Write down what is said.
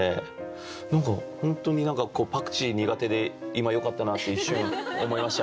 何か本当にパクチー苦手で今よかったなって一瞬思いましたね。